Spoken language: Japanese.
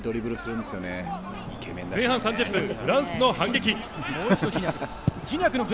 前半３０分、フランスの反撃。